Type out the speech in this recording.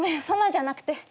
そんなんじゃなくて。